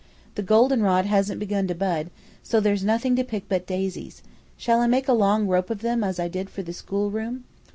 The goldenrod hasn't begun to bud, so there's nothing to pick but daisies. Shall I make a long rope of them, as I did for the schoolroom?"